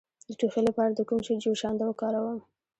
د ټوخي لپاره د کوم شي جوشانده وکاروم؟